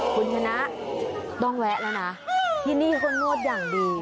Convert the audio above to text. คุณชนะต้องแวะแล้วนะที่นี่เขานวดอย่างดี